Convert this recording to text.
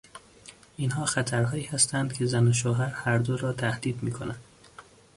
اینها خطرهایی هستند که زن و شوهر هر دو را تهدید میکند.